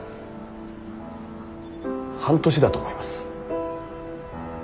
半年だと思います。